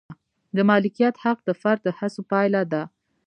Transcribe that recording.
د مالکیت حق د فرد د هڅو پایله ده.